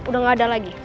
udah gak ada lagi